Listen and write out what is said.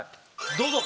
どうぞ。